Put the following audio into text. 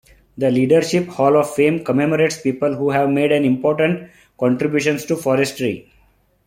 The Leadership Hall of Fame commemorates people who have made important contributions to forestry.